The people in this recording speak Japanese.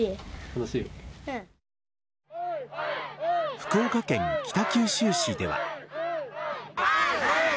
福岡県北九州市では。